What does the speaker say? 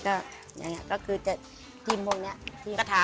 คิกคิกคิกคิกคิกคิกคิกคิก